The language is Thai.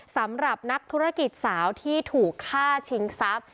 สำหรับนักธุรกิจสาวที่ถูกฆ่าชิงทรัพย์